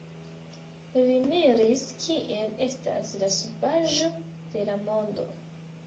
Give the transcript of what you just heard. Li miris kiel estas la subaĵo de la mondo.